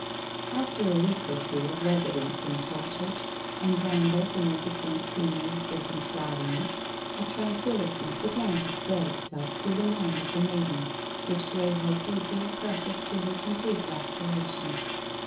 After a week or two of residence in Tolchurch, and rambles amid the quaint scenery circumscribing it, a tranquillity began to spread itself through the mind of the maiden, which Graye hoped would be a preface to her complete restoration.